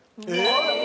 えっ！